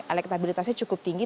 elektabilitasnya cukup tinggi